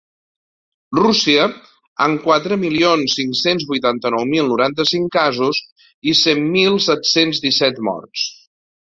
Rússia, amb quatre milions cinc-cents vuitanta-nou mil noranta-cinc casos i cent mil set-cents disset morts.